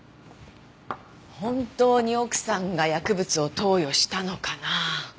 本当に奥さんが薬物を投与したのかな？